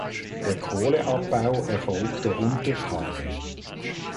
Der Kohleabbau erfolgte unter Tage.